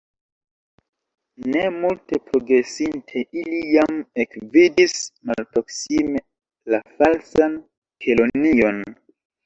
Ne multe progresinte, ili jam ekvidis malproksime la Falsan Kelonion.